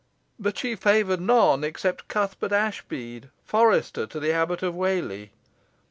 But she favoured none except Cuthbert Ashbead, forester to the Abbot of Whalley.